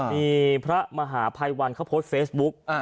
มีพระมหาภัยวันเขาโพสต์เฟซบุ๊ก